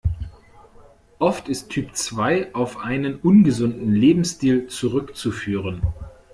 Oft ist Typ zwei auf einen ungesunden Lebensstil zurückzuführen.